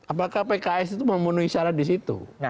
apakah pks itu memenuhi syarat di situ